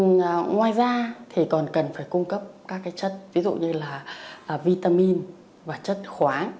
ngoài ra thì còn cần phải cung cấp các chất ví dụ như là vitamin và chất khoáng